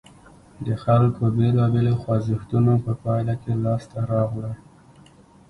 د خلکو بېلابېلو خوځښتونو په پایله کې لاسته راغله.